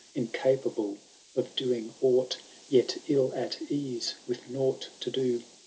Incapable of doing aught. Yet ill at ease with nought to do.